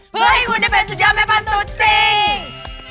เพื่อให้คุณได้เป็นสุดยอดแม่บ้านตัวจริง